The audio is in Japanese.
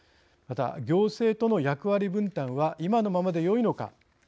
また行政との役割分担は今のままでよいのか。